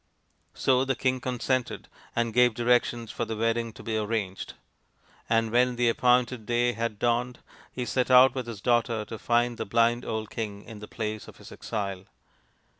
So the king consented, and gave directions for the wedding to be arranged ; and when the appointed day had dawned he set out with his daughter to find the blind old king in the place of his exile.